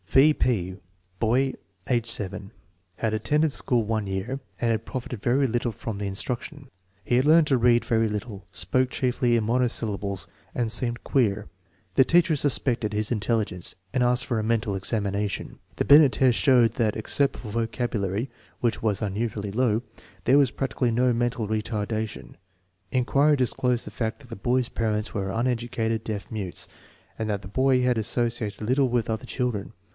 V. P. Boy, age 7. Had attended school one year and had profited very little from the instruction. He had learned to read very little, spoke chiefly in monosyllables, and seemed " queer." The teacher suspected his intelligence and asked for a mental examina tion. The Binct test showed that except for vocabulary, wliich was unusually low, there was practically no mental retardation. In quiry disclosed the fact that the boy's parents were uneducated deaf mutes, and that the boy had associated little with other children.